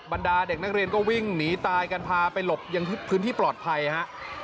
ดาเด็กนักเรียนก็วิ่งหนีตายกันพาไปหลบยังพื้นที่ปลอดภัยฮะ